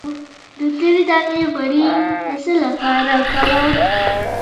د تورې دانې غوړي د څه لپاره وکاروم؟